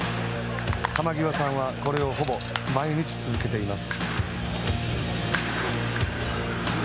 濱涯さんはこれをほぼ毎日続けています。